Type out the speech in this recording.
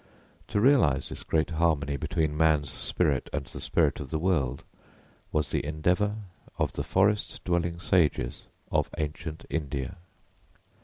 To realise this great harmony between man's spirit and the spirit of the world was the endeavour of the forest dwelling sages of ancient India.